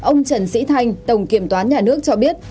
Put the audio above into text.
ông trần sĩ thanh tổng kiểm toán nhà nước cho biết